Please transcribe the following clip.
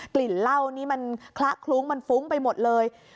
กลิ่นเหล้านี่มันคละคลุ้งมันฟุ้งไปหมดเลย